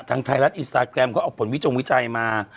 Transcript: ทั้งไทยรัฐอินสตาร์แกรมก็ออกผลวิจัยมา